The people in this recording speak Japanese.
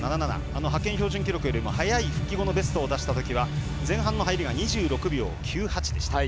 派遣標準記録よりも速い復帰後のベストを出したときは前半の入りが２６秒９８でした。